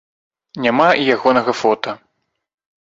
Няма і ягонага фота.